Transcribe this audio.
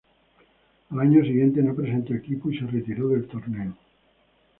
Al año siguiente no presentó equipo y se retiró del torneo.